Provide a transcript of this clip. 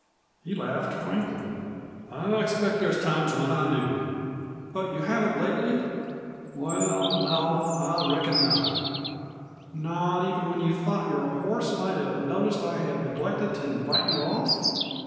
He laughed frankly. "I expect there's times when I do." "But you haven't lately?" "Well, no, I reckon not." "Not even when you thought your horse might have noticed that I had neglected to invite you off?"